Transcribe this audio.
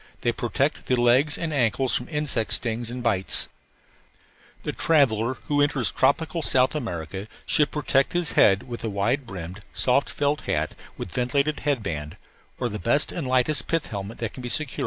They protect the legs and ankles from insect stings and bites. The traveller who enters tropical South America should protect his head with a wide brimmed soft felt hat with ventilated headband, or the best and lightest pith helmet that can be secured, one large enough to shade the face and back of neck.